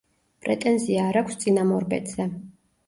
პრეტენზია არ აქვს წინამორბედზე.